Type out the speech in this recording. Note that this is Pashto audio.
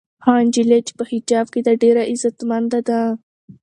هغه نجلۍ چې په حجاب کې ده ډېره عزتمنده ده.